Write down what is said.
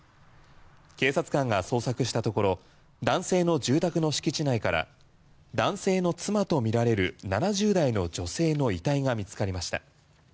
警察官が捜索したところ男性の住宅の敷地内から男性の妻とみられる７０代の女性の遺体が見つかりました。